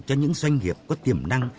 cho những doanh nghiệp có tiềm năng